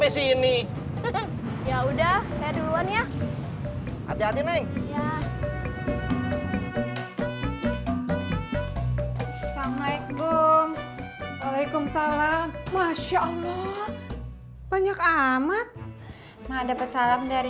assalamualaikum waalaikumsalam masya allah banyak amat mbak dapat salam dari